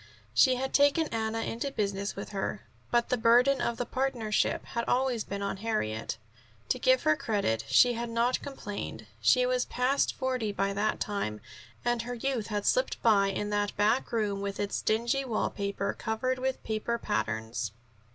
She had taken Anna into business with her, but the burden of the partnership had always been on Harriet. To give her credit, she had not complained. She was past forty by that time, and her youth had slipped by in that back room with its dingy wallpaper covered with paper patterns.